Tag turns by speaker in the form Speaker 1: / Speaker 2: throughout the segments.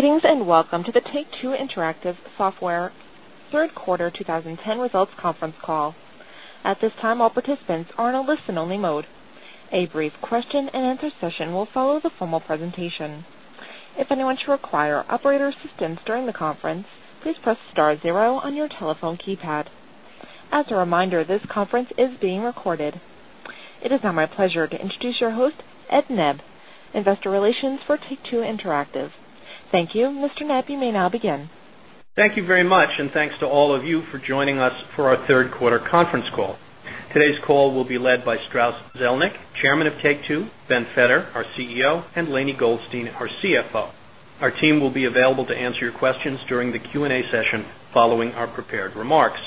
Speaker 1: Greetings and welcome to the Take 2 Interactive Software Third Quarter 2010 Results Conference Call. At this time, all participants are in a listen only mode. A brief As a reminder, this conference is being recorded. It is now my pleasure to introduce your host, Edneb, if
Speaker 2: conference call. Today's call will be led by Strauss Zelnick, Chairman of Take 2, Ben Feder, our CEO and Lainie Goldstein, our CFO. Our team will be available to answer your questions during the Q and A session following our prepared remarks.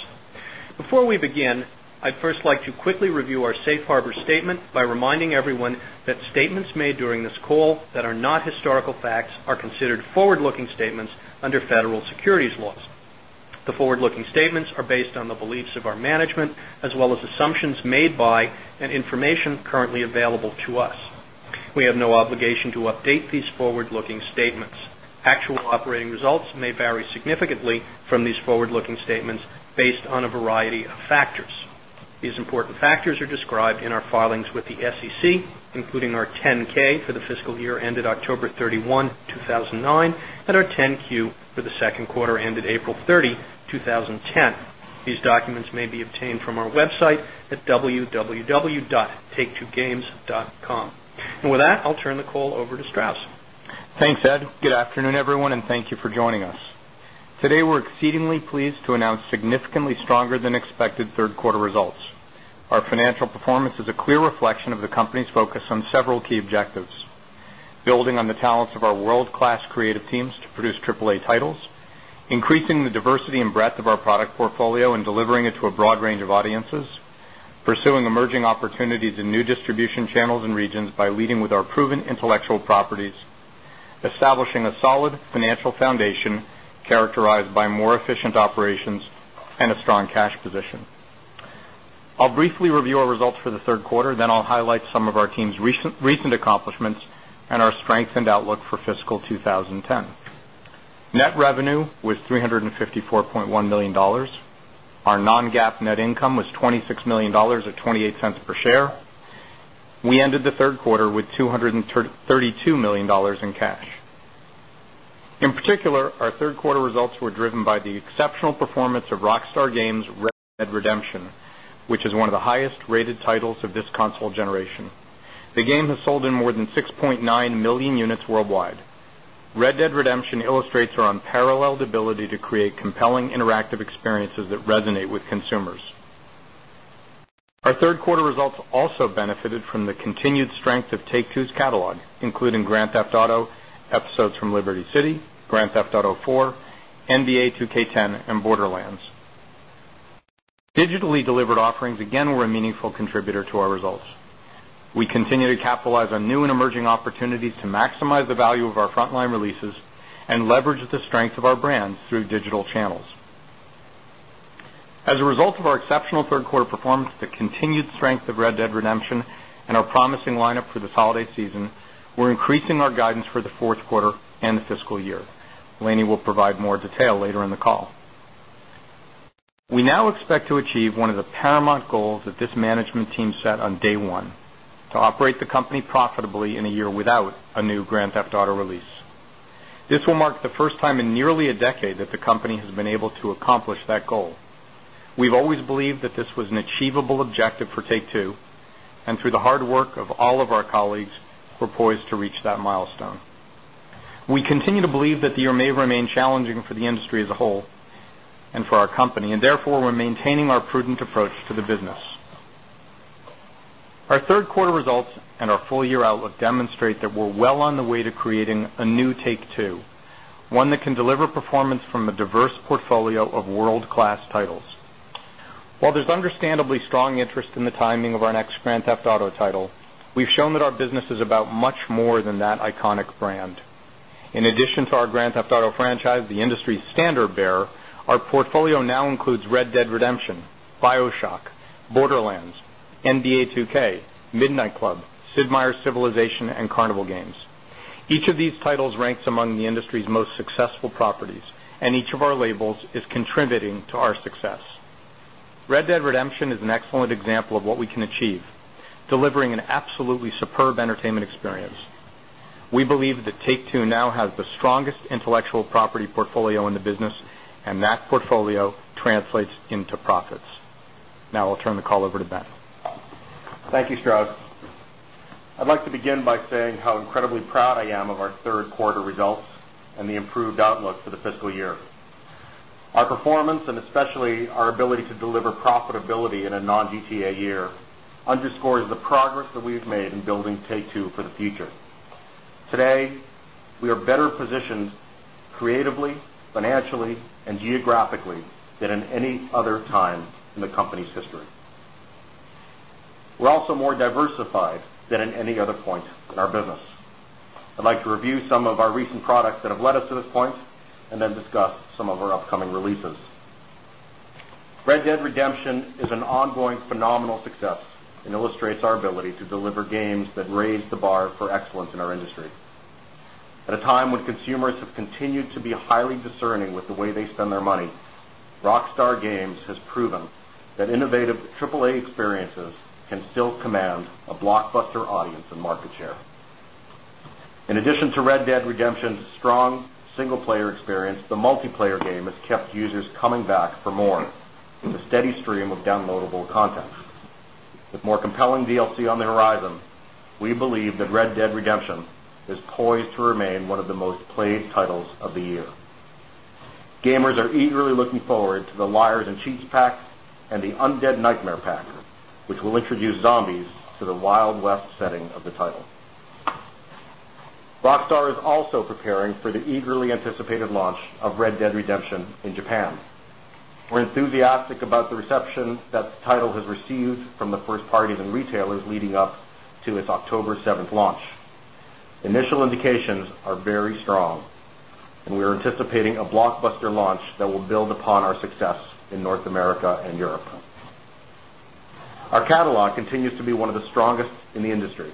Speaker 2: Before we begin, I'd first like to quickly review our Safe harbor statement by reminding everyone that statements made during this call that are not historical facts are considered forward looking statements securities laws. The forward looking statements are based on the beliefs of our management as well as assumptions made by and information currently to update these forward looking statements. Actual operating results may vary significantly from these forward looking statements based on a variety of factors. These important factors are described for the fiscal year ended from our website at www.take2games.com. And with that, I'll turn the call over to Strauss.
Speaker 3: Thanks, Ed. Good afternoon, everyone, and thank you for joining us. Today, we're financial performance is a clear reflection of the company's focus on several key objectives, building on the talents of our world class creative teams to produce AAA titles, increasing the diversity and breadth of our product portfolio and delivering it to a broad range of audiences, pursuing emerging opportunities in new distribution and regions by leading with our proven intellectual properties, establishing a solid financial foundation characterized by more efficient operations and a strong cash position. I'll briefly review our results for the third quarter, then I'll highlight some of our team's recent recent accomplishments and our strengthened outlook for fiscal 2010. Net revenue was 354,100,000 was $26,000,000 or $0.28 per share. We ended the 3rd quarter with $232,000,000 in cash. In particular, our third quarter results were driven by the exceptional performance of Rockstar Games Redemption, which is one of the highest rated titles of this console the game has sold in more than 6,900,000 units worldwide. Red Dead Redemption illustrates from the continued strength of Take 2's catalog, including Grand Theft Auto episodes from Liberty City, Grand Theft Auto 4, NBA 2K10, and border lands. Digitally delivered offerings again were a meaningful contributor to our results. We continue to capital as a new and emerging opportunities to maximize the value of our frontline releases and leverage the strength of our brands through digital channels.
Speaker 4: As a result of our
Speaker 3: one of the paramount goals that this management team set on day 1 to operate the company profitably in a year without a new Grand Theft Auto release. This will mark the first time in 2, and through the hard work of all of our colleagues, we're poised to reach that milestone. We continue to believe that the for the industry as a whole and for our company. And therefore, we're maintaining our prudent approach to the business. Third quarter results and our full year outlook demonstrate that we're well on the way to creating a new take too, one that can deliver performance from a diverse portfolio of world class titles. While there's understandably strong interest in the timing of our next Grand Theft Auto title, we've shown that our business is much more than that iconic brand. Includes Red Dead Redemption, Bioshock, borderlands, NBA 2k, Midnight Club, Sid Meier's Civilization, and games. Each of these titles ranks among the industry's most successful properties and each of our labels is contributing to our success. Red Dead Redemption is an excellent example of what we can achieve, delivering an absolutely superb entertainment experience. We believe that Take 2 now has the strongest intellectual property portfolio in the business, and that portfolio translates into profits. Now I'll turn the over to Ben.
Speaker 4: Thank you, Strauss. I'd like to begin by saying how incredibly proud I am of our third quarter results and the improved outlook for the fiscal year. Our performance and especially our ability to deliver profitability in a non GTA year underscores the progress that we've made in building K2 for the future. Today, we are better positioned creatively, financially, and geographically than in any other time in the company's history. We're also more diversified than in any other point in our business. Like to review some of our recent products that have led us to this point and then discuss some of our upcoming releases. Fred dead redemption is an ongoing phenomenal success and illustrates our ability to deliver games that raise the bar for excellence in our industry. At a time when consumers have continued to be highly discerning with the way they spend their money, Rockstar Games has proven that innovative AAA's experiences can still command a blockbuster audience and market share. In addition to Red Dead Redemption's strong single player into the multiplayer game has kept users coming back for more from a steady stream of downloadable context. With more compelling DLC on their horizon, we believe that Red Dead Redemption is poised to remain one of the most played titles of the year. Gamers are eagerly looking forward to the liars and cheats pack and the undead nightmare packer, which will introduce zombies to the wild west setting of the title. Rockstar is also for pairing for the eagerly anticipated launch of Red Dead Redemption in Japan. We're enthusiastic about the reception that title has received from the first party in tailors leading up to its October 7th launch. Initial indications are very strong, and we are anticipating a buster launch that will build upon our success in North America and Europe. Our catalog continues to be one of the strongest in the industry.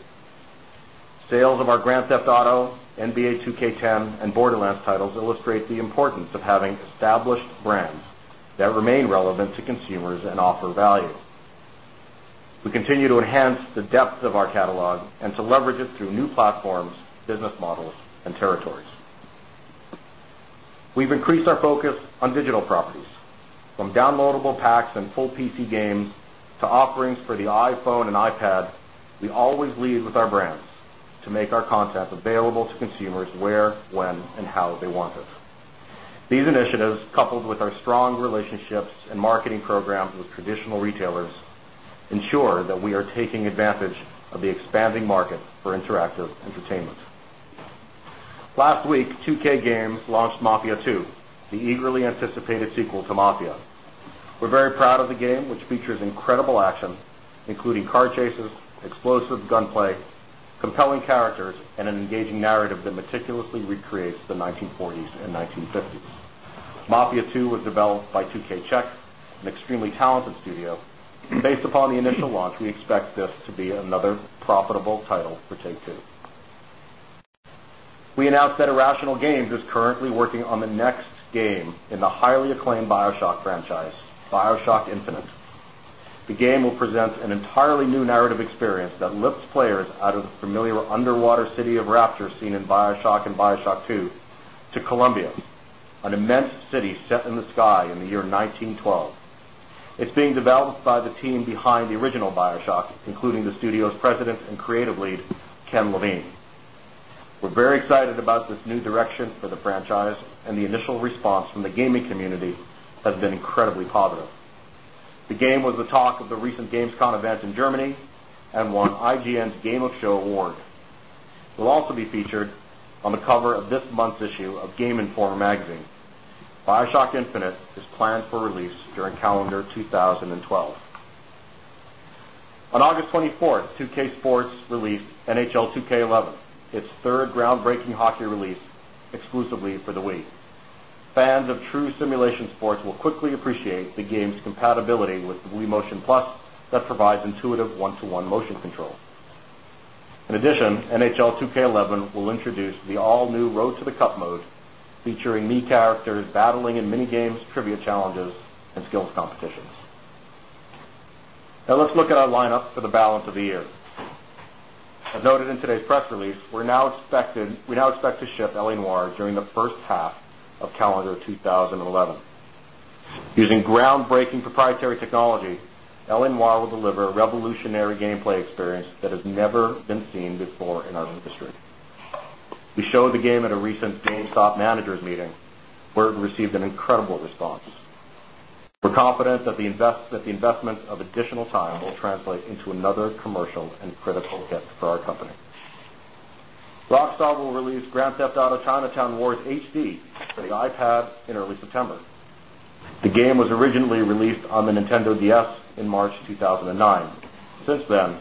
Speaker 4: Sales of our Grant Theft Auto, NBA 2K10, and Borderlands titles illustrate the importance of having established brands that remain relevant to consumers and offer value. New platforms, business models and territories. Multiple packs and full PC games to offerings for the iPhone and iPads, we always leave with our brands to make our content available to consumers where, when, and how they want this. These initiatives coupled with our strong relationships and marketing programs with traditional retailers ensure that we are taking advantage of launched mafia 2, the eagerly anticipated sequel to mafia. We're very proud of the game, which features incredible action, including car chases, explode of gunplay, compelling characters and an engaging narrative that meticulously recreates the 1940s 1950s. Mafia 2 was developed by 2K check an extremely talented studio. Based upon the initial launch, we expect this to be another profitable title for Take 2. We announced that a rational game is currently working on the next game in the highly acclaimed BioShock franchise. BioShock infinite. The game will present an entirely new narrative experience that lifts players out of the familiar underwater city of rapture seen in shock and BioShock 2 to Columbia, an immense city set in the sky in the year 1912. It's being developed by the team franchise, and the initial response from the gaming community has been incredibly positive. The game was the talk of the recent games con events in Germany and won IGN's Aylock show award. It'll also be featured on the cover of this month's issue of Game And Fort magazine. Shock infinite is planned for release during calendar 2012. On August 24th, 2 k sports released NHH L2K11. It's 3rd groundbreaking hockey release exclusively for the week. Fans of true simulation sports will quickly appreciate the game compatibility with Blue Motion Plus that provides intuitive 1 to 1 motion control. In addition, NHL 2k11 will introduce the all new road to the cup mode, featuring me characters battling in mini games, trivia challenges, and skills competitions.
Speaker 5: Now let's look
Speaker 4: at our lineup for the balance of the year. As noted in today's press release, we're now expected we now expect to ship Ellen Wars the first half of calendar 2011. Using groundbreaking proprietary technology, LNY will deliver a evolutionary gameplay experience that has never been seen before in our industry. We show the game at a recent GameStop Manager's meeting where it was an incredible response. We're confident that the investments of additional tile will translate into another commercial and critical 5th for our company. Doc Storable released Grand Theft Auto Chinatown Wars HD for the Ipad in early September. The game was originally released on the Nintendo DS in March 2009. Since then,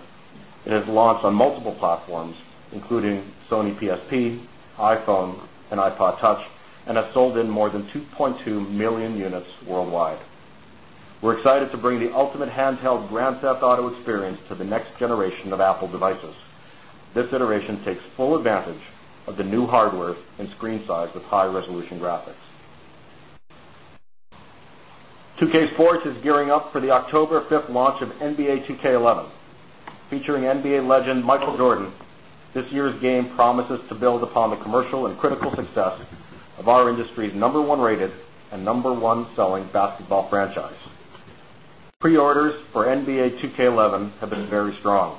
Speaker 4: it has launched on multiple platforms, including Sony PSP, iPhone, and ipod touch, and have sold in more than 2,200,000 units worldwide. We're excited to bring the ultimate handheld grants to experience
Speaker 3: graphics.
Speaker 4: 2 Ks Forage is gearing up for the October 5th launch of NBA TK 11 featuring NBA and Michael Daugherty. This year's game promises to build upon the commercial and critical success of our industry's number 1 rated and number 1 selling basketball franchise. Preorders for NBA 2k11 have been very strong.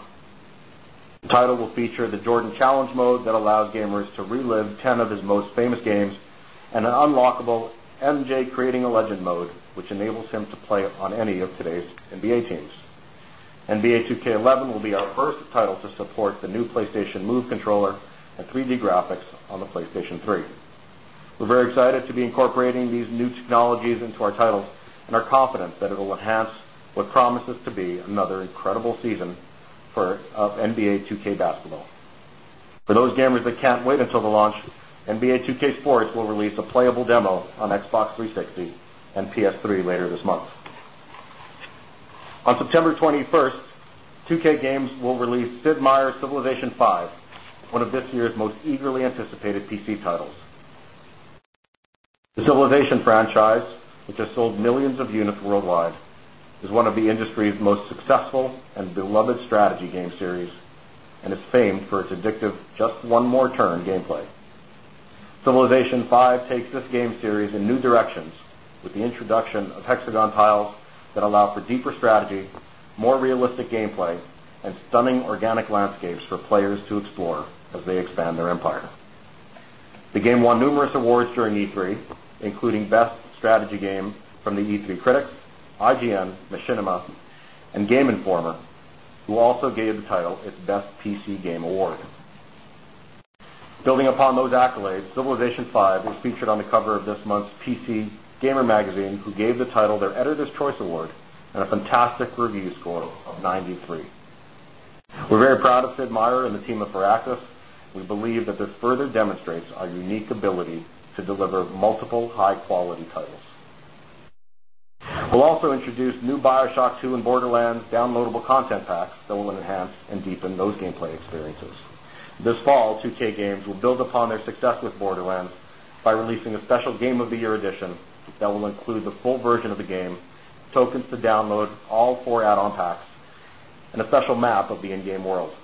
Speaker 4: The title will feature the Jordan Challenge mode that allows game to relive 10 of his most famous games and an unlockable MJ creating a legend mode, which enables him to play on any today's NBA teams. NBA 2k11 will be our first title to support the new PlayStation Move controller and 3 d graphics to PlayStation 3. We're very excited to be incorporating these new technologies into our titles and our confidence that it will enhance what promises to be another season for, of NBA 2K Basketball. For those gamers that can't wait until the launch, NBA 2K Sports will release a playable demo on Xbox 360 and PS 3 later this month. On September 21st, 2K games will release Sid Meier's Civilization 5, one of this year's most eagerly anticipated PC titles. The civilization franchise, which has sold millions of units worldwide, is one of the industry's most successful and strategy game series and is famed for its addictive just one more turn gameplay. Civilization 5 takes this game in new directions with the introduction of hexagon tiles that allow for deeper strategy, more realistic gameplay, and stunning organic landscapes for players to explore as they expand their empire. The game won numerous awards during E3 including best strategy games from the E3 critics, IGN, Machinima, and game informer, who also gave the title its best PC game award. Building upon those accolades, civilization 5 is featured on the cover of this month's PC Gramer Magazine, who gave the title their Energous Choice Award and a fantastic review score of 93. We're very proud of Sid Meier in the of Paracas, we believe that this further demonstrates our unique ability to deliver multiple high quality titles. We'll also introduce new bio shock 2 and Borderlands, downloadable content packs that will enhance and deepen those gameplay experiences. This fall, 2K games will build a their success with Borderlands by releasing a special game of the year edition that will include the full version of the game, tokens to download all four add on packs, and a special map of the Endgame World.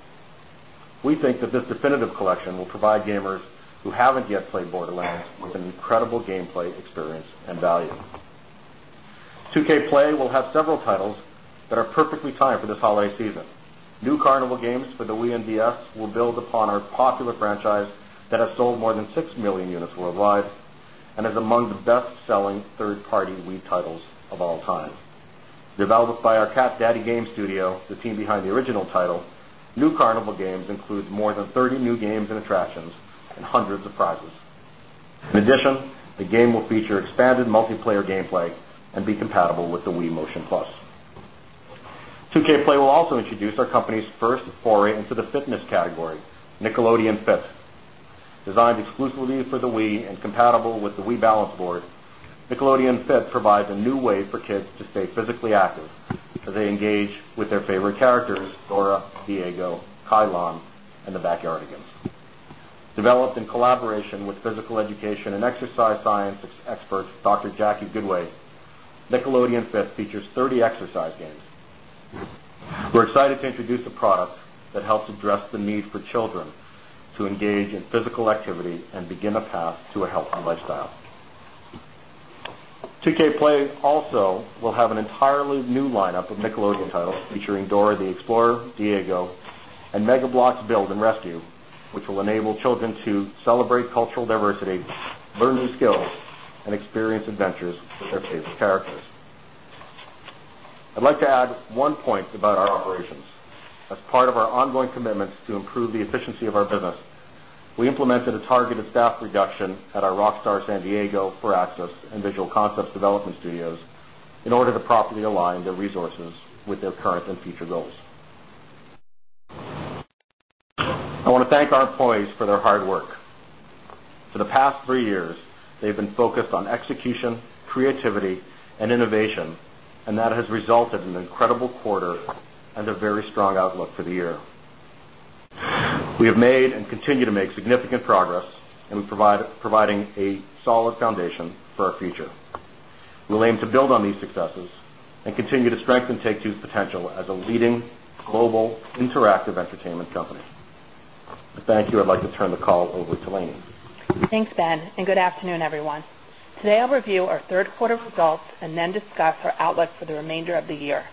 Speaker 4: We think that this definitive collection will provide gamers who haven't yet played Borderlands season. New Carnival games for the WYNDES will build upon our popular franchise that has sold more than 6,000,000 units worldwide and are among the best selling third party Wii titles of all time. Developed by our Cat Daddy Game Studio, the team behind the original title, new carnival games in moves more than 30 new games and attractions and hundreds of prizes. In addition, the game will feature expanded multiplayer gameplay and compatible with the We Motion Plus. 2K play will also introduce our company's first foray into the fitness category, Nickelodeon Fifth. It's exclusively for the We and compatible with the We Balance Board, the Colombian fit provides a new way for kids to stay physically active as they engage with their favorite characters, Dora, Diego, Kylon, and the Backyardigans. Developed in collaboration with physical education and exercise science experts, Doctor. Jackie Goodway. Nickelodeon 5th features 30 exercise games. Excited to introduce a product that helps address the need for children to engage in physical activity and begin a path to a health and lifestyle. 2K play also will have an entirely new lineup of Nickelodeon Title featuring Dora, the Explorer, Diego, and Mega Blocks build and rescue, which will enable them to celebrate cultural diversity, learn new skills, and experience adventures with their favorite characters. I'd like to add one point about operations as part of our ongoing commitments to improve the efficiency of our business. We implemented a targeted staff reduction at our Rockstar San Diego for Access And Visual Concepts Development Studios in order to properly align the resources their current and future goals. I wanna thank our employees for their hard work. For the past 3 years, they've been focused us on execution, creativity, and innovation, and that has resulted in an incredible quarter and a very strong outlook for the year. We have made and continue to make significant progress and we provide providing a solid foundation for our future. We'll aim to build successes and continue to strengthen Take 2's potential as a leading global interactive entertainment company. Thank you like to turn the call over to Lane.
Speaker 6: Thanks, Ben, and good afternoon, everyone. Today, I'll review our 3rd quarter results and then discuss our outlook for the remainder of the year.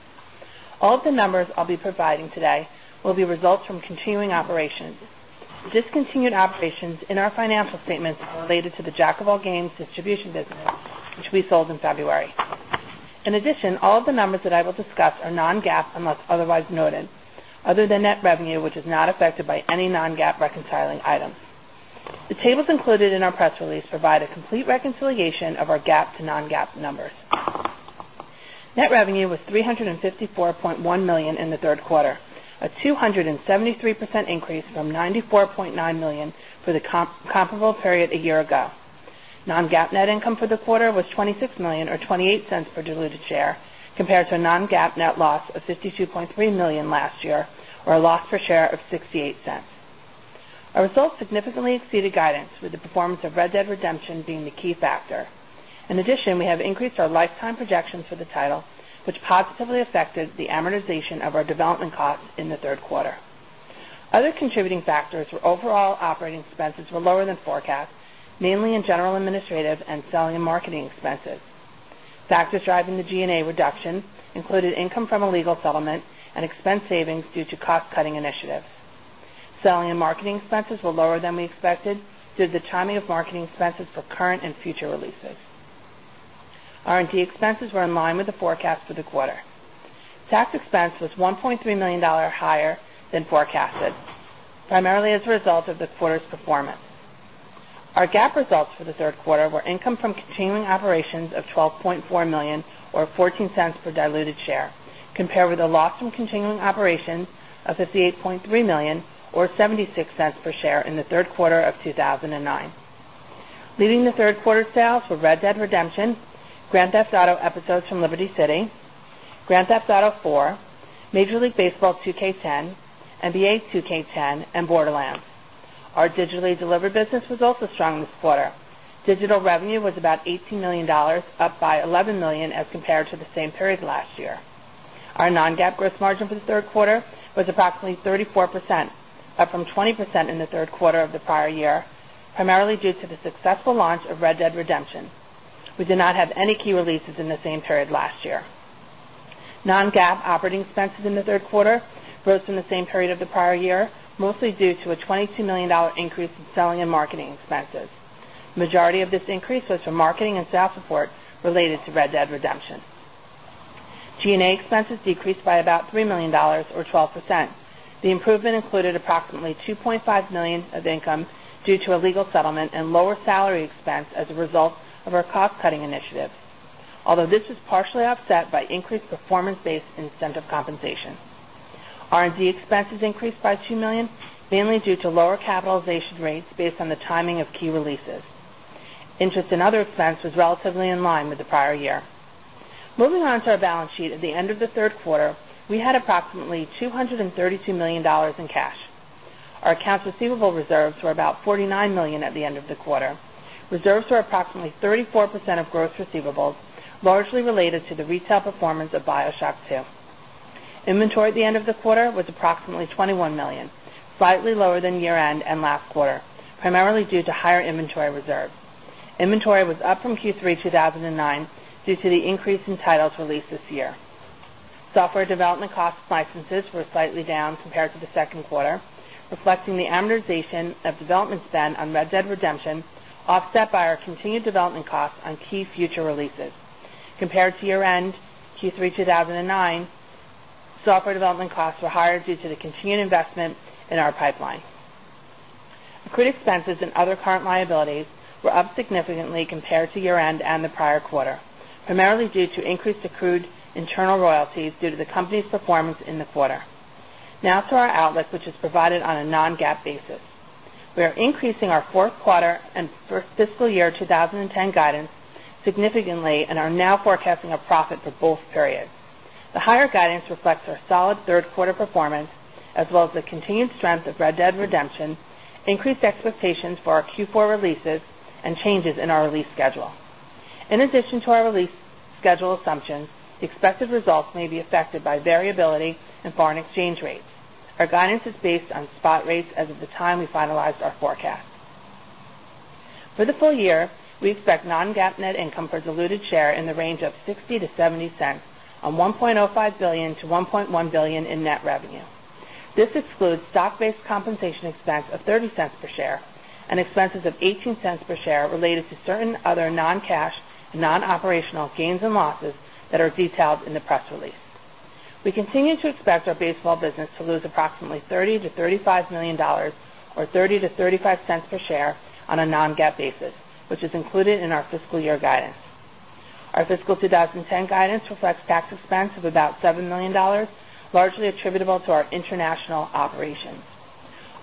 Speaker 6: All the numbers I'll be providing today will be results from continuing operations. Discontinued operations in our financial statements are related to the jack of all games such as business, which we sold in February. In addition, all of the numbers that I will discuss are non GAAP unless otherwise noted. Other than net revenue, which is not affected by any non GAAP reconciling items. The tables included in our press release provide a complete reconciliation of our GAAP to non GAAP numbers. Net revenue was 354,100,000 dollars for the comparable period a year ago. Non GAAP net income for the quarter was $26,000,000 or $0.28 per diluted share compared to a non GAAP net loss of $52,300,000 last year or a loss per share of $0.68. I was significantly exceeded guidance with the performance of Red Dead Redemption being the key factor. In addition, we have increased our lifetime projections for the title, which pops of our development costs in the third quarter. Other contributing factors were overall operating the legal settlement and expense savings due to cost cutting initiatives. Selling and marketing expenses were lower than we expected due to the timing marketing expenses for current and future releases. Dollars higher than forecasted, primarily as a result of the quarter's performance. Our GAAP results for the 3rd quarter were income from continuing operations of 12.4 dollars per share in the third quarter of 2009. Leading the 3rd quarter sales for Red Dead Redemption, Grand Theft Auto episodes from Liberty City, Grand Theft point 04 Major League Baseball 2K10, NBA 2K10, and Borderlands. Our digitally delivered results are strong this quarter. Digital revenue was about $18,000,000, up by $11,000,000 as compared to the same period last year. Non GAAP gross margin for the 3rd quarter was approximately 34%, up from 20% in the third quarter of the prior year, primarily due to the successful launch of Red Dead Redemption. We did not have any key releases in the same period last year. Non GAAP operating expenses in the third quarter rose from same period of the prior year mostly due to a $22,000,000 increase in selling and marketing expenses. Majority of this increase for marketing and sales support related to Red Dead Redemption. G and A expenses decreased by about $3,000,000 or 12 percent. The improvement included approximately $2,500,000 of income due to a legal settlement and lower salary expense as a result of our cost cutting initiatives. Although this is partially offset by increased performance based leases. Interest and other expense was relatively in line with the prior year. Moving on to our balance sheet. At the end of the third quarter, we had approximately $232,000,000 in cash. Percent of gross receivables, largely related to the retail performance of BioShock 2. Inventory at the end of the quarter was approximately 1,000,000, slightly lower than year end and last quarter, primarily due to higher inventory reserves. Inventory was up from Q3 2009 due to the increase in titles released this year. Software development cost licenses were slightly down compared to the 2nd quarter. The amortization of development spend on Red Dead Redemption, offset by our continued development costs on key future releases compared year end, Q3 2009, software development costs were hired due to the continued investment in our pipeline. Accrete expenses and other and fees due to the company's performance in the quarter. Now to our outlook, which is provided on a non GAAP basis. We are increasing our fourth quarter and fiscal year twenty and 10 guidance significantly and are and strength of Red Dead Redemption, increased expectations for our Q4 releases, and changes in our release schedule. In addition to our release schedules, assumptions, expected results may be affected by variability in foreign exchange rates. Our guidance is based on spot rates as of the time we finalize our forecast. For the full year, we expect non GAAP net income per diluted share in the range of $0.60 to $0.70 $1,000,000,000 in net revenue. This excludes stock based compensation expense of $0.30 per share and expenses of $0.18 per share related to certain other non cash and nonoperational gains and losses that are detailed in the press release. We continue to expect our baseball business is approximately $30,000,000 to $35,000,000 or $0.30 to $0.35 per share on a non GAAP basis, which is included in fiscal year guidance. Our fiscal 2010 guidance reflects tax expense of about $7,000,000, largely attributable to our international operations.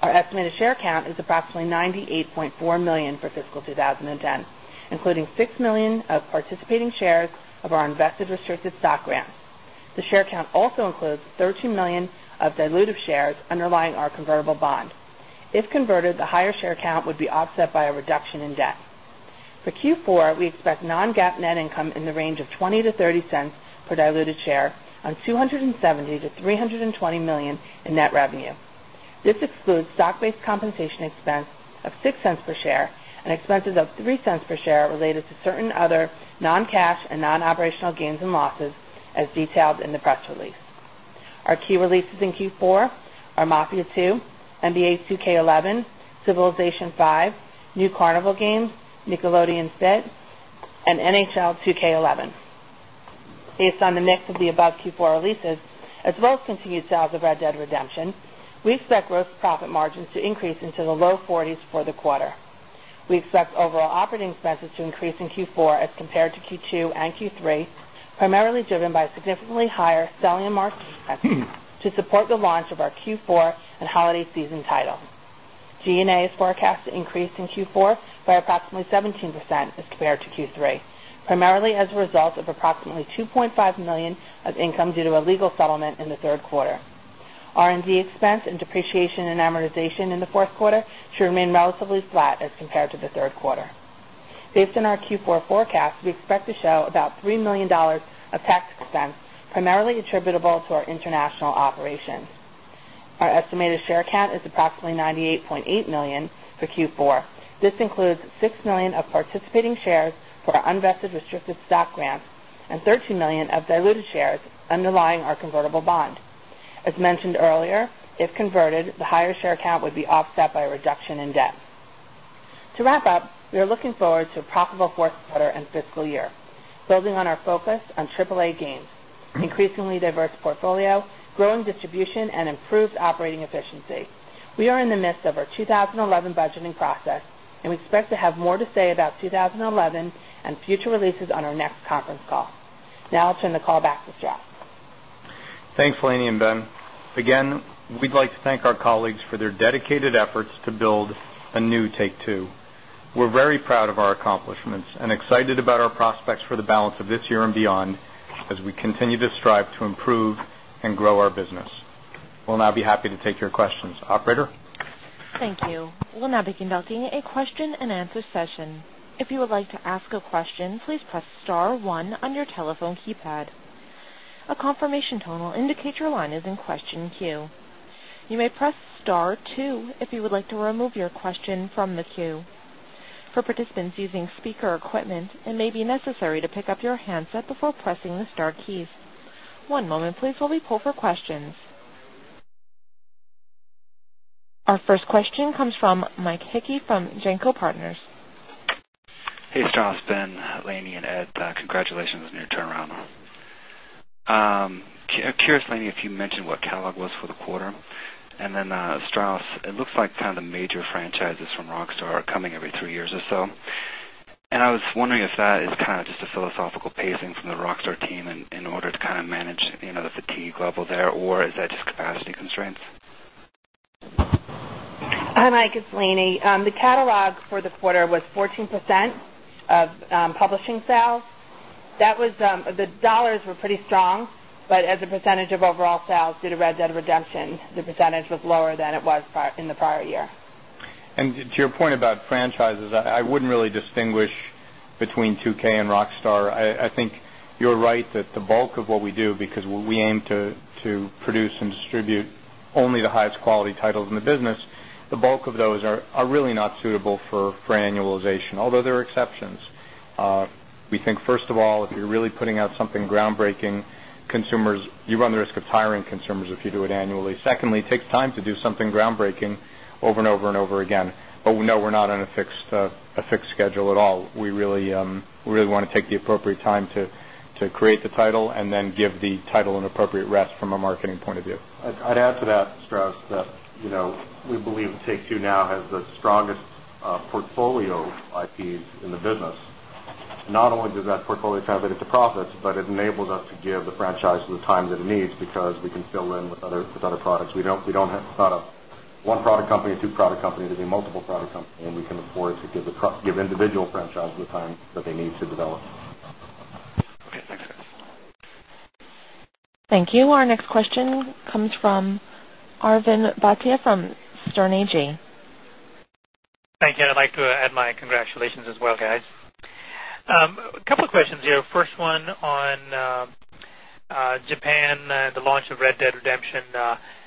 Speaker 6: We estimated share count is approximately 98,400,000 for fiscal 2010, including 6,000,000 of participating shares of our invested restricted stock grant. We share count also includes 13,000,000 of diluted shares underlying our convertible bond. If converted, the higher share count would be offset by a reduction in debt. For Q 4, we expect non GAAP net income in the range of $0.20 to $0.30 per diluted share on $270,000,000 to $320,000,000 in net revenue. This excludes stock based compensation expense of $0.06 per share and expenses of $0.03 per share related to certain other non cash and non operational gains and losses as detailed in the press release. Our key releases in Q4 are mafia 2, NBA 2K11, civil station 5, new Carnival games, Nickelodeon's debt, and NHL 2k11. Based on the mix of the above Q4 releases, As well as continued sales of Red Dead Redemption, we expect gross profit margins to increase into the low 40s for the quarter. We expect overall operating message to increase in Q4 as compared to Q2 and Q3, primarily driven by significantly higher selling and marketing to support the launch of our Q4 and holiday season title. G and A is forecast to increase in Q4 by approximately 17% is compared to Q3, primarily as a result of approximately $2,500,000 of income due to a legal settlement in the third quarter. R and D expense and depreciation and amortization in the fourth quarter should remain relatively flat as compared to the third quarter. Based on our Q4 forecast, we expect to show about $1,000,000 of tax expense, primarily attributable to our international operations. Our estimated share count is approximately 98,800,000 for Q4. This includes 6,000,000 of participating shares for our unvested restricted stock grants and 13,000,000 of diluted shares, a underlying our convertible bond. As mentioned earlier, if converted, the higher of a fourth quarter fiscal year, building on our focus on AAA gains, increasingly diverse portfolio, growing distribution and improved operating efficiency. We are and future releases on our next conference
Speaker 3: to build a new Take 2. We're very proud of our accomplishments and excited about our prospects for the balance of this year and beyond as we continue to strive improve and grow
Speaker 1: A confirmation questions. Our first question comes from Mike Hickey from Janco Partners.
Speaker 7: Hey, it's Jonathan, Lainie and Ed. Congratulations on your turnaround. I'm curious, Lainie, if you mentioned what catalog was for the quarter, And then Strauss, it looks like kind of the major franchises from Rockstar are coming every 3 years or so. And I was wondering if that is kind of just a philosophical pacing from the Rockstar team in order to kind of manage the fatigue level there? Or is that just capacity constraints?
Speaker 6: Hi, Mike. It's Lainie. The catalog for the quarter was 14% of, publishing sale. That was, the dollars were pretty wrong, but as a percentage of overall sales, due to red dead redemption, the percentage was lower than it was prior in the prior year.
Speaker 3: To your point about franchises, I wouldn't really distinguish between 2 K and Rockstar. I I think you're right the bulk of what we do because we aim to to produce and distribute only the highest quality titles in the business. The bulk of those are are really not suitable for for annualization, although there are exceptions. We think first of all, if you're really putting out something groundbreaking consumers, you run the risk hiring consumers if you do it annually. Secondly, it takes time to do something groundbreaking over and over and over again, but we know we're not on a fixed, a fixed schedule all, we really, we really want to take the appropriate time to to create the title and then give the title an appropriate rest from a any point of view?
Speaker 5: I'd add to that,
Speaker 4: Strauss, that, you know, we believe Take 2 now has the strongest portfolio, I think, in the business. Not only does that portfolio targeted to profits, but it enables us to give the franchise the time that it needs because we can fill in other products. We don't we don't have product company, 2 product company to be multiple product company, and we can afford to give the product, give individual franchise the time that they need to develop.
Speaker 1: Thank you. Our next question comes from Arvind Batya from Stornyji.
Speaker 8: You. I'd like to add my congratulations as well guys. A couple of questions here. First one on Japan the launch of Red Dead Redemption,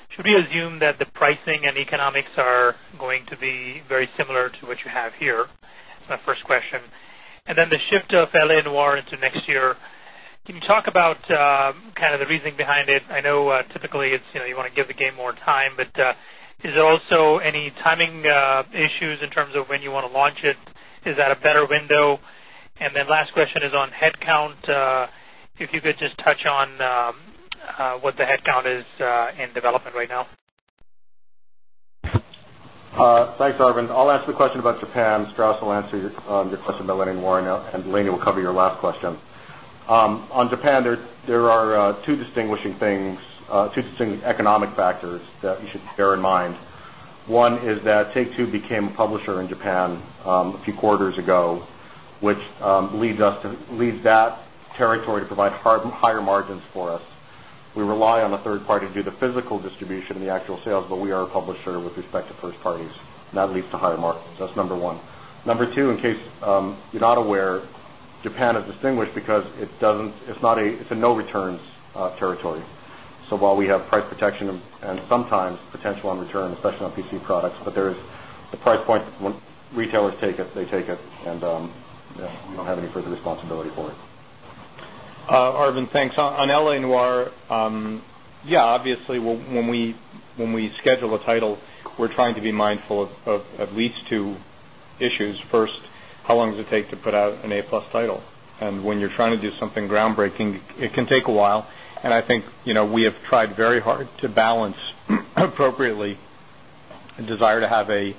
Speaker 8: should we assume that the pricing and economics are going to be very similar to what you have here? My first question. Then the shift of Eleon Noir into next year, can you talk about, kind of the reasoning behind it? I know, typically, it's, you know, you want to give the game more time, but, is it also any timing, issues in terms of when you want to launch it? Is that a better window? And then last question is on headcount. If you could just touch on, what the headcount is in development right now?
Speaker 4: Thanks, Arvin. I'll answer the question about Japan. Strauss will answer your your question. On Japan, there are, 2 distinguishing things, economic factors that you should bear in mind. One is that Take 2 became a publisher in Japan, a few quarters ago, which, lead us to lead that territory to provide higher margins for us. We rely on the 3rd party due to physical distribution and the actual sales, but we are a publisher with respect to 1st party and that leads to higher markets. That's number 1. Number 2, in case, you're not aware Japan is distinguished because it does it's not a it's a no returns, territory. So while we have price protection and sometimes potential on return, especially on PC products, point when retailers take it, they take it. And, yeah, we don't have any further responsibility for it.
Speaker 3: Arvin, thanks on LA and you are, yeah, obviously, when when we when we schedule a title, we're trying to be mindful of of of lead these 2 issues. First, how long does it take to put out an a plus title? And when you're trying to do something groundbreaking, it can take a while and I think, you know, we have tried very hard to balance appropriately a desire to have a,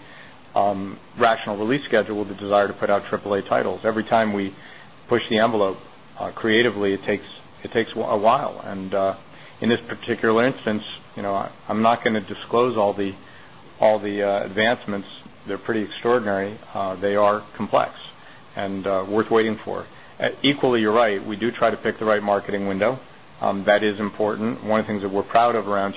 Speaker 3: rational release schedule with a desire to put out trip titles. Every time we push the envelope, creatively, it takes it takes a while. And, in this particular instance, you know, I'm not gonna disclose all the all the advancements. They're pretty extraordinary. They are complex and, worth waiting for. Equally, you're right. We do try to pick the right marketing window. That is important. One of the things that we're proud of around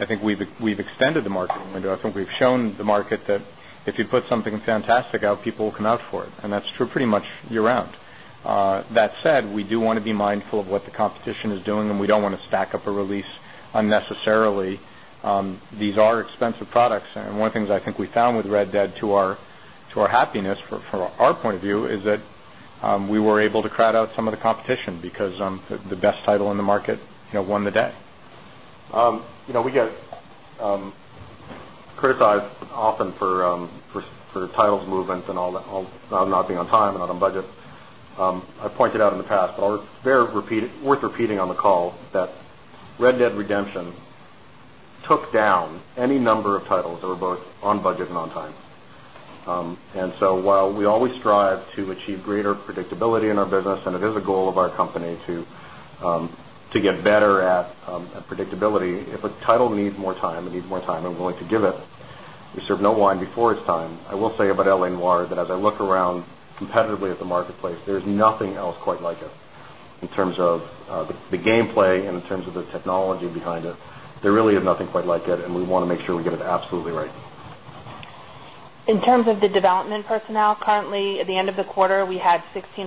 Speaker 3: I think we've we've extended the market window. I think we've shown the market that if you put something fantastic out, people will come out for it. And that's true pretty much year round. Said, we do wanna be mindful of what the competition is doing and we don't wanna stack up a release unnecessarily. These are expensive And one of the things I think we found with Red Dead to our to our happiness for from our point of view is that, we were able to out some of the competition because, the best title in the market, you know, won the day.
Speaker 9: You
Speaker 4: know, we get, criticized often for, for, for titles movement and I'll not be on time and on a budget. I pointed out in the past, but our very worth repeating on the call that Red Dead Redemption took down any number of titles that were both on budget and on time. In so while we always strive to achieve greater predictability in our business, and it is a goal of our company to, to get better at predictability, if a title needs more time and need more time. I'm willing to give it. We serve no wine before its time. I will say about L. A. N. Wire that as I look around competitively at the marketplace, there's not else quite like it. In terms of the game play and in terms of the technology behind it, there really is nothing quite like it. And we won sure we get it absolutely right.
Speaker 6: In terms of the development personnel, currently, at the end of the quarter, we had 16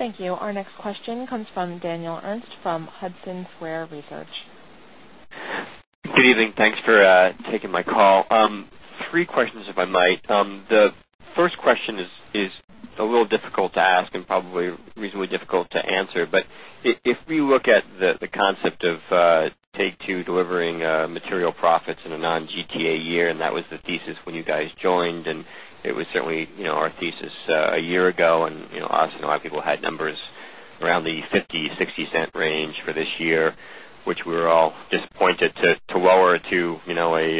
Speaker 6: our next
Speaker 1: comes from Daniel Ernst from Hudson Square Research.
Speaker 9: Three questions if I might. The first question is a little difficult to ask and probably reasonably difficult to answer, but if we look at the concept of take to delivering material profits in a non GTA year and that was the thesis you guys joined. And it was certainly, our thesis a year ago, and us and a lot of people had numbers around the 5th the $0.60 range for this year, which we were all disappointed to lower to a 30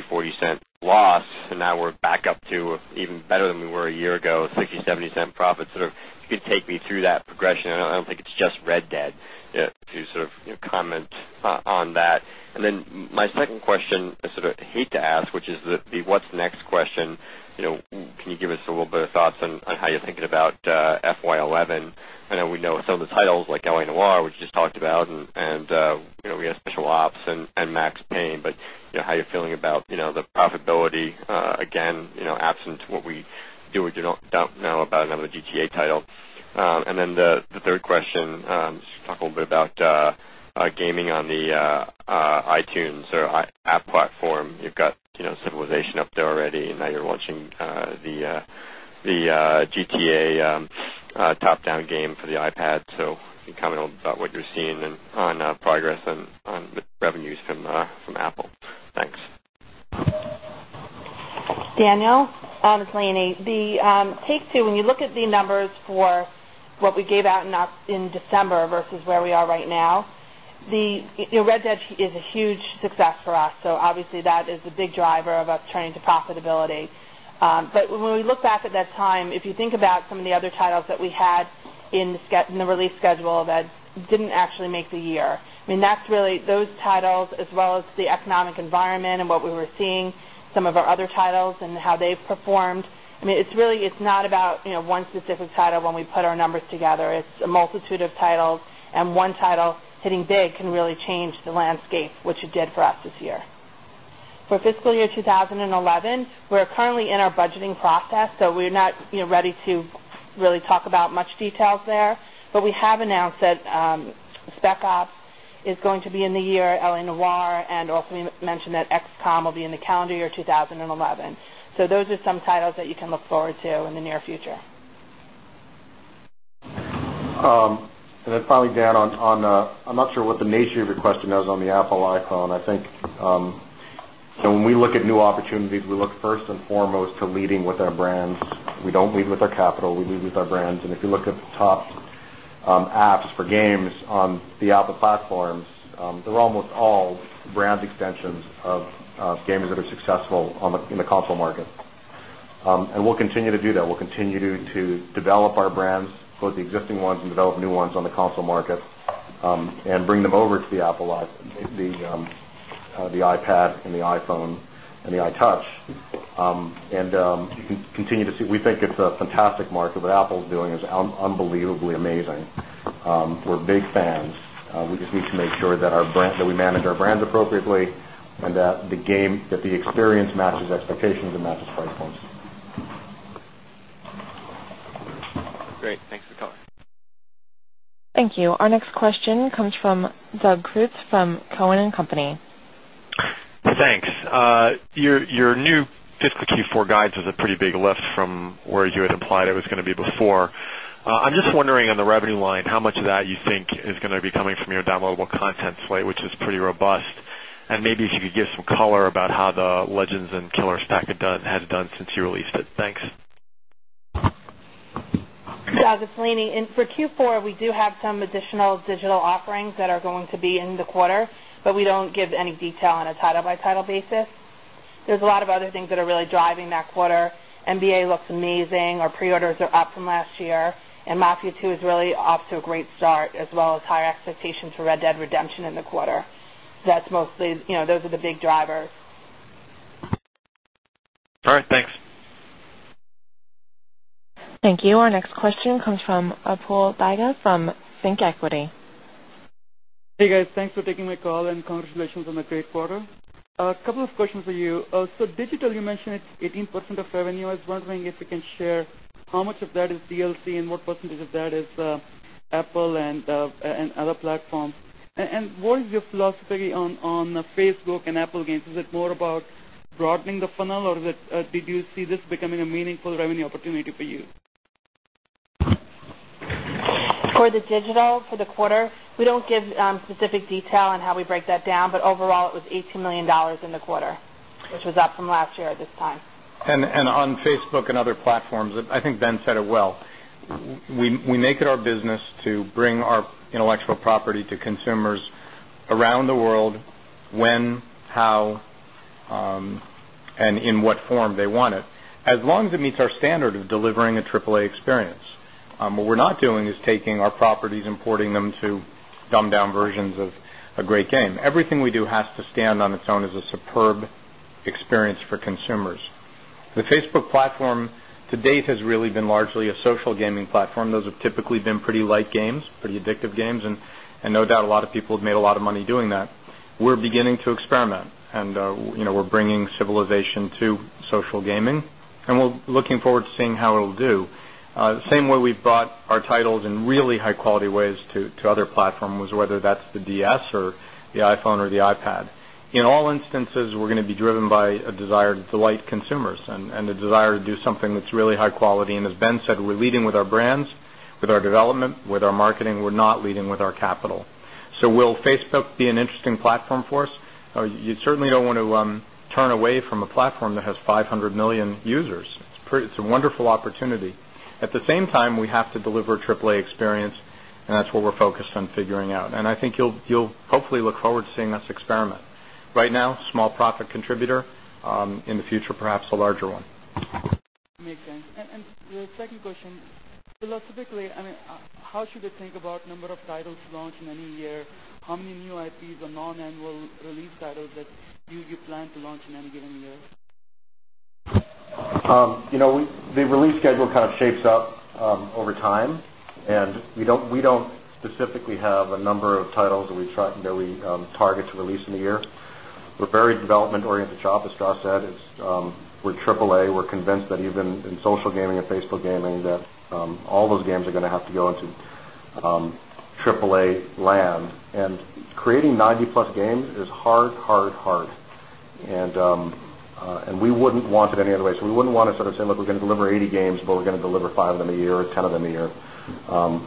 Speaker 9: dollars, 40 loss and now we're back up to even better than we were a year ago, $0.60.70 profit, sort of, you could take me through that progression. I don't think it's just Red Dead to sort of comment on that. And then my second question, I sort of hate to ask, which is what's next question, Can you give us a little bit of thoughts on how you're thinking about FY 'eleven? I know we know some of the titles like L ANOR which you just talked about and we had special ops and and max pain, but how you're feeling about the profitability, again, absent what we do or don't know about another title. And then the 3rd question, just talk a little bit about gaming on the iTunes or app platform. You've got civilization up there already and now you're launching the GTA top down game for the Ipad So can you comment on what you're seeing on progress on the revenues from Apple? Thanks. Daniel,
Speaker 6: on the plane 8, the, take 2, when you look at the numbers for what we gave out not in December versus where we are right now, the you know, Red Dead is a huge success for us. So, obviously, that is the big driver of us turning to profitability. But when we look back at that time, if you think about some of the other titles that we had in the sched in the release schedule that didn't actually make the year, I mean, that's really those titles, as well as the economic environment, and what we were seeing, some of our other titles and how they've performed. I mean, it's really it's not about, you know, one specific title when we put our numbers together. It's a intuitive title and one title hitting big can really change the landscape, which it did for us this year. For fiscal year 2011, we are currently in our budgeting process. So we're not, you know, ready to really talk about much details there, but we have announced that, spec ops is going to be in the here at Ellen Noir and also mentioned that XCOM will be in the calendar year 2011. So those are some titles that you can look forward to in the near future?
Speaker 5: And I'd probably add on, on, I'm
Speaker 4: not sure what the nature of your question is on the Apple Iphone. I think, So when we look at new opportunities, we look 1st and foremost to leading with our brands. We don't lead with our capital. We lead with our brands. And if you look at the top, as apps for games on the Apple platforms. They're almost all brand extensions of, games that are successful in the awful market. And we'll continue to do that. We'll continue to develop our brands, close the existing ones and develop new ones on console market, and bring them over to the Appleize, the, the iPad and the iPhone and the I touch. And, to see, we think it's a fantastic market that Apple is doing is unbelievably amazing. We're big fans. We just need to make sure that our brand that we manage our brands appropriately and that the game that the experience matches expectations and matches price points.
Speaker 9: Great. Thanks for the color.
Speaker 1: Thank you. Our next question comes from Doug Crutze from Cowen and Company.
Speaker 5: Thanks. Your new fiscal Q4 guidance is a pretty big lift from where you had implied it was going to be before. Wondering on the revenue line, how much of that you think is going to be coming from your downloadable content slate, which is pretty robust? And maybe if you could give some color about how the Legends and large packet done, had it done since you released it. Thanks.
Speaker 6: Yeah. This is Lenny. And for Q4, we do have some additional digital offerings that are going to be in the quarter, but we don't give any detail on a title by title basis. There's a lot of other things that are really driving that MBA looks amazing. Our preorders are up from last year, and MAFU2 is really off to a great start, as well as higher expectations for Red Dead Redemption in the quarter. Does that mostly, you know, those are the big drivers.
Speaker 9: Alright. Thanks.
Speaker 1: You. Our next question comes from apuva from ThinkEquity.
Speaker 5: Hey guys, thanks for taking my call and congratulations on a great quarter. A couple of questions for you. So Digital, you mentioned it's 18% of revenue. I was wondering if you can share how much of that is VLC and what percentage of that is, Apple and and other platforms. And what is your philosophy on on the Facebook and Apple games? Is it more about broadening the funnel that, did you see this becoming a meaningful revenue opportunity for you?
Speaker 6: For the digital, for the quarter, we don't give a big detail on how we break that down, but overall, it was $18,000,000 in the quarter, which was up from last year at this time.
Speaker 3: And and on face and other platforms that I think Ben said it well. We we make it our business to bring our intellectual property to tumors around the world, when, how, and in what form they want it. Long as it meets our standard of delivering a AAA experience, what we're not doing is taking our properties and porting them to dumb down versions of a great game. Everything we do has to stand on its own as a superb experience for consumers. The Facebook platform to date has really been largely a social gaming platform. Those have typically been pretty light games, pretty addictive games, and and no doubt a lot of people have made of money doing that, we're beginning to experiment. And, you know, we're bringing civilization to social gaming, and we're looking forward to seeing how will do. The same way we brought our titles in really high quality ways to to other platform was whether that's the DS or the iPhone or the iPad. In instances, we're going to be driven by a desired delight consumers and and a desire to do something that's really high quality. And as Ben said, we're leading with our brands, with our development, with our marketing, we're not leading with our capital. So we'll Facebook be an interesting platform for us. You certainly don't want to, turn from a platform that has 500,000,000 users. It's a wonderful opportunity. At the same time, we have to deliver AAA experience, and that's what we're focused on figuring out. And you'll, you'll hopefully look forward to seeing this experiment. Right now, small profit contributor, in the future, perhaps a larger one.
Speaker 5: Makes sense. And and the second question, specifically, I mean, how should they think about number of titles launched in any year? How many new IPs or non annual release status that you plan to launch in any given year?
Speaker 4: The release schedule kind of shapes up, over time. And we don't, we don't specifically have a number of titles that we try that we target to release in the year. We're very developed oriented job, as Josh said, it's, with AAA, we're convinced that even in social gaming and Facebook gaming that, all those games are gonna have to go into, AAA land. And creating 90 plus games is hard, hard, work. And, and we wouldn't want it any other way. So we wouldn't want to sort of say, look, we're gonna deliver 80 games, but we're gonna deliver 5 of them a year or 10 of them a year.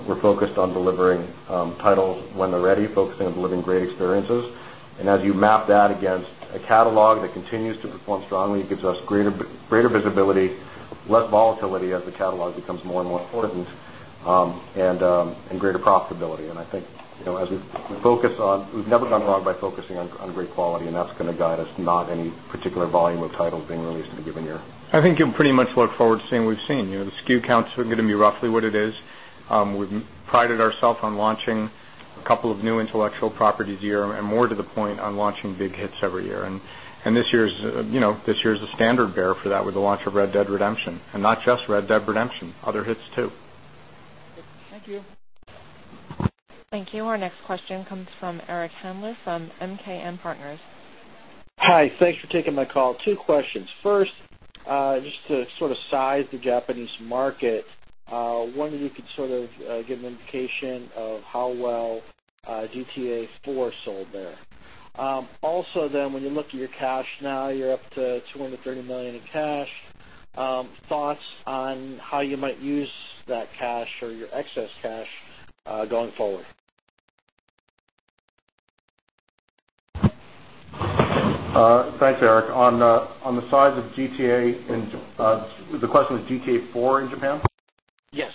Speaker 4: We focused on delivering, titles when they're ready, focusing on delivering great experiences. And as you map that against a catalog that continues to perform strongly, it gives us greater visibility, less volatility as the catalog becomes more and more important, and greater profitability. And think, you know, as we focus on, we've never gone wrong by focusing on on great quality, and that's gonna guide us not any particular volume of titles being released at a given year.
Speaker 3: I think you pretty much look forward to seeing we've You know, the SKU counts are going to be roughly what it is. We've prided ourself on launching a couple of new intellectual properties here and more to the point on launching big hits every year. And this year's, you know, this year's a standard bear for that with the launch of Red Dead Redemption, and not just Red Dead Redemption. I'll it's 2.
Speaker 1: Thank you. Thank you. Our next question comes from Eric Handler from MKM Partners.
Speaker 4: Thanks for taking my call. Two questions. First, just to sort of size the Japanese market, one that you could sort of, give them $30,000,000 in cash, thoughts on how you might use that cash or your excess cash, going forward. Thanks, Eric. On the on the side of GTA and, the question is GTA 4 in Japan? Yes.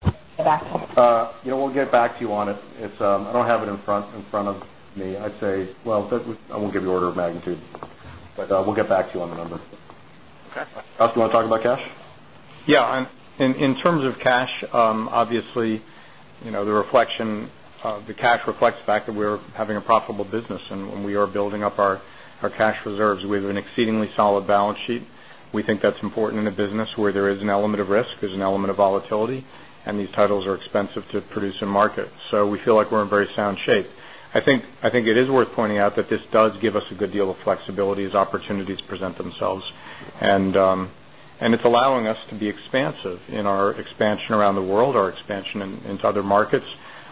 Speaker 6: For that.
Speaker 5: You
Speaker 4: know, we'll get back to you on it. It's, I don't have it in front in front of me. I'd say, well, I won't give you order of magnitude, but we'll get back to you on the number.
Speaker 10: Okay.
Speaker 4: I also want to talk that cash?
Speaker 3: Yeah. In in terms of cash, obviously, you know, the reflection of the cash reflects back that we're having a profitable business and when we building up our our cash reserves. We have an exceedingly solid balance sheet. We think that's important in a business where there is an element of risk. There's an element of volatility, and these titles expensive to produce in market. So we feel like we're in very sound shape. I think it is worth pointing out that this does give us a good deal of flexibility as opportunities present themselves And, and it's allowing us to be expansive in our expansion around the world, our expansion into other markets,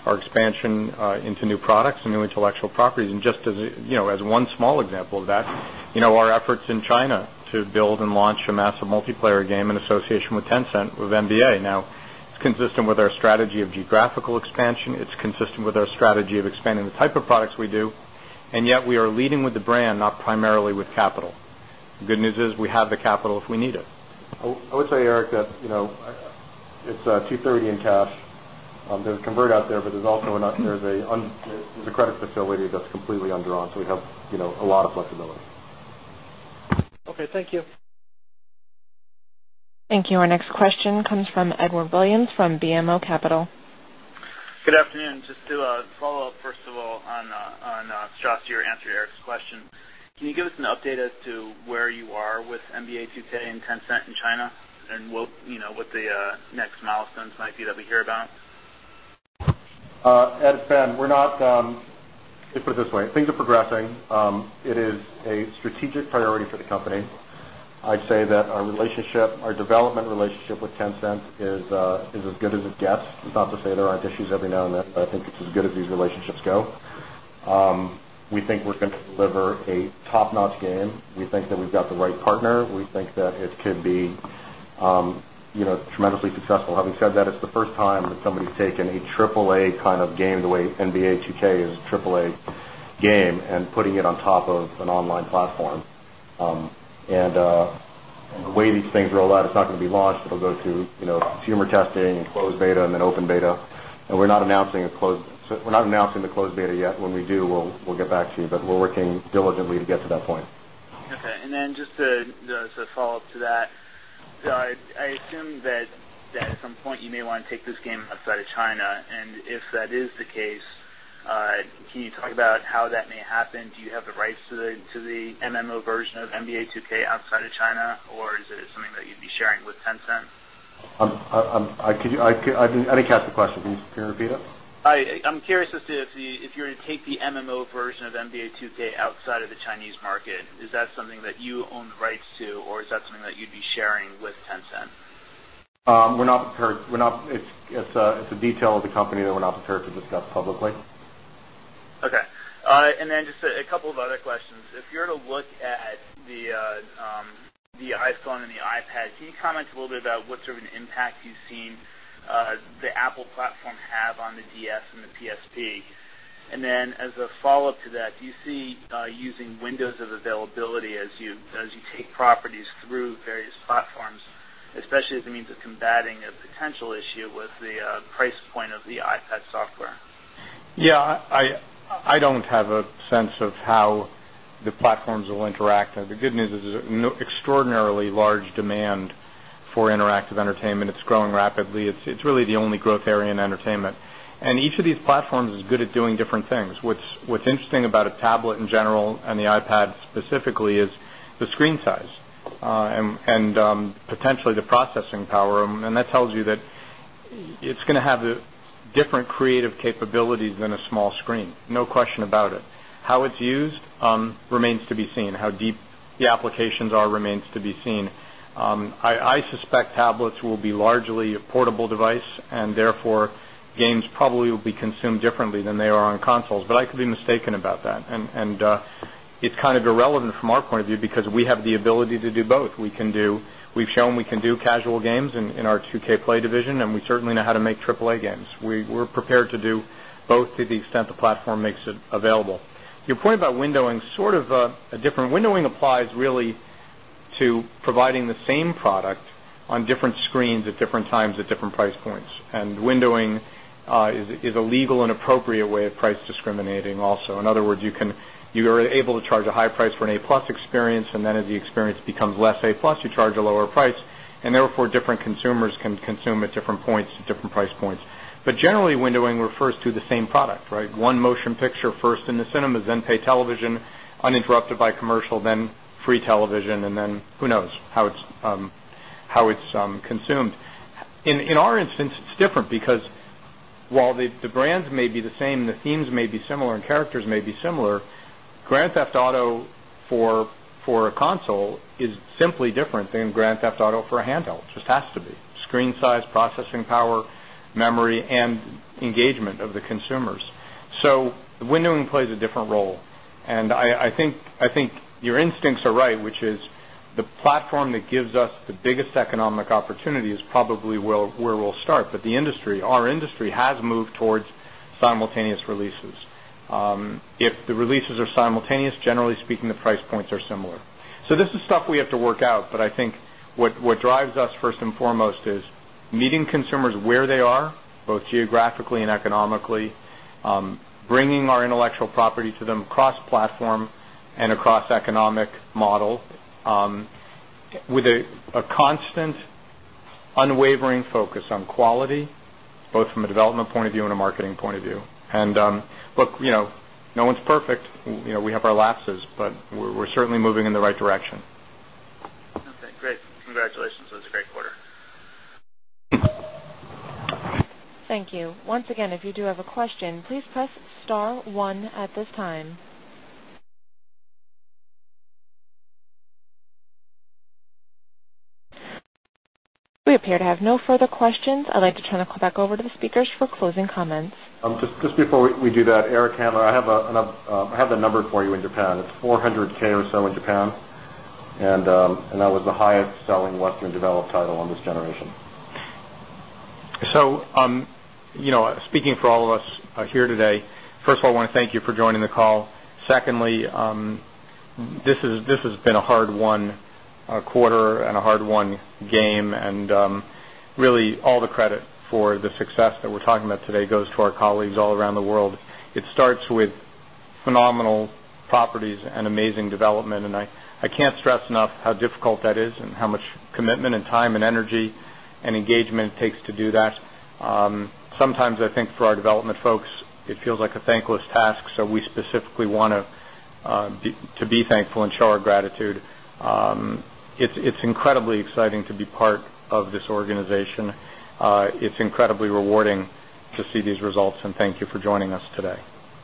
Speaker 3: our expansion, into new and intellectual properties and just as, you know, as one small example of that, you know, our efforts in China to build and launch a massive multiplayer game in association with consent with MBA. Now it's consistent with our strategy of geographical expansion. It's consistent with our strategy of expanding the type of products we do, and yet we are leading with the brand not primarily with capital. Good news is we have the capital if we need it.
Speaker 4: Oh, I would say, Eric, that, you know, 2:30 in cash. There's a convert out there, but there's also an there's a there's a credit facility that's completely undrawn. So we have, you know, a lot of flexibility.
Speaker 1: Our next question comes from Edward Williams from BMO Capital. Just
Speaker 10: a follow-up, first of all, on, on, Strauss, your answer, Eric's question. Can you give us an update as to where you are with NBA 2 today in Tencent in China? And we'll, you know, what the next milestones might be that we hear about?
Speaker 4: Ed, Ben, we're not, they put it this way. Things Gressing. It is a strategic priority for the company. I'd say that our relationship our development relationship with Tencent is, is as good as it It's not to say there aren't issues every now, and I think it's as good as these relationships go. We think we're going to deliver a top notch game think that we've got the right partner, we think that it could be, tremendously successful. Having said that, it's the first time we've taken a AAA kind of game the way NBA 2K is AAA game and putting it on top of an online platform. And, the way these things roll out is not going to be launched, it'll go to, you know, consumer testing and closed beta, and then beta. And we're not announcing a closed so we're not announcing the closed beta yet. When we do, we'll get back to you, but we're working diligently to get to that point.
Speaker 10: And then just to to to follow-up to that. I assume that that at some point, you may wanna take this game outside of China and if that is the case, can you talk about how that may happen? Do you have the rights to the to the MMO version of NBA 2k outside of China, or is it something that you'd sharing with Tencent?
Speaker 4: I'm I'm I could you I I didn't catch the question. Can you repeat it?
Speaker 10: I I'm curious to see if you're going to take the MMO first of NBA 2 k outside of the Chinese market. Is that something that you owned rights to, or is that something that you'd be sharing with Tencent?
Speaker 4: We're not prepared. We're not it's it's a it's a detail of the company that we're not prepared to discuss publicly.
Speaker 10: Okay. Alright. And then just a couple of other questions. If to look at the, the iPhone and the iPad, can you comment a little bit about what sort of an impact you've seen the Apple platform have on the DS and the PSP. And then as a follow-up to that, do you see, using windows of available as you as you take properties through various platforms, especially as a means of combating a potential issue with the price point of the Ipad software.
Speaker 3: Yeah. I I don't have a sense of how the platforms will interact. The good news is there's no extraordinarily large demand for of entertainment. It's growing rapidly. It's really the only growth area in entertainment. And each of these platforms is good at doing different things. What's interesting a tablet in general and the iPad specifically is the screen size, and and, potentially the processing power. And that tells you that it's gonna have the different creative capabilities than a small screen. No question about it. How it's used, remains to be seen, how deep the remains to be seen. I I suspect tablets will be largely a portable device, and therefore games probably will be consumed differently than they consoles, but I could be mistaken about that. And and, it's kind of irrelevant from our point of view because we have the ability to do both. We can do we've shown we can do casual games in our 2K play division and we certainly know how to make AAA games. We were prepared to do both to the extent the platform makes it available. Your point about win doing sort of, a different windowing applies really to providing the same product on different screens if different times at different price points. And windowing, is is a legal and appropriate way of price discriminating also. In other words, you can you are able to charge a high price for an a plus and then as the experience becomes less A plus you charge a lower price and therefore different consumers can consume at different points to different price points. But generally, windowing refers to the same left. Right? One motion picture first in the cinemas then pay television uninterrupted by commercial, then free television, and then who knows how it's how it's, consumed. In in our instance, it's different because while the the brands may be the same, the themes may be similar and characters may be similar. Grand Theft Auto for for a console is simply different than Grand Theft Auto for a handheld. It just has to be. Screen as processing power, memory, and engagement of the consumers. So windowing plays a different role. And I I think I think your instincts are right, which is the platform that gives us the biggest economic opportunity is probably where we'll start, but the industry, our industry has move towards simultaneous releases. If the releases are simultaneous, generally speaking, the price points are similar. So this is stuff we have to work out, but I think what what drives us 1st and foremost is meeting consumers where they are, both geographically and economically, bringing our intellectual property to them across platform and across economic model, with a a constant unwavering focus on quality, both from a development point of view and a marketing point of view. And, look, you know, no one's perfect. We have our lapses, but we're we're certainly moving in the right direction.
Speaker 1: Thank We appear to have no further question I'd like to turn the call back over to the speakers for closing comments.
Speaker 4: Just before we do that, Eric Hannah, I have a number for you in your 400 K or so in Japan, and, and that was the highest selling Western Develop title on this generation.
Speaker 3: So, you know, speaking for all of us here today, first of all, I wanna thank you for joining the call. Secondly, this is this is been a hard one, quarter and a hard one game. And, really, all the credit for the success that we're talking about today goes to our colleagues all around the world. It starts with phenomenal properties and amazing development, and I I can't stress enough how difficult and how much commitment and time and energy and engagement takes to do that. Sometimes I think for our development it feels like a thankless task. So we specifically wanna, be to be thankful and show our gratitude. It's it's incredibly to be part of this organization. It's incredibly rewarding to see results, and thank you for joining us today.